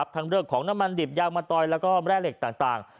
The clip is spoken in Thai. ทั้งเรื่องของน้ำมันดิบยางมะตอยแล้วก็แร่เหล็กต่าง